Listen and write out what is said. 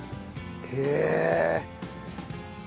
へえ！